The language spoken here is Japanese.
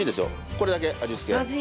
これだけ味付け。